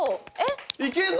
いけるの？